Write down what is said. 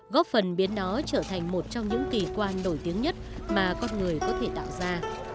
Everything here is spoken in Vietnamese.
góp phần biến nó trở thành một trong những kỳ quan nổi tiếng nhất mà con người có thể tạo ra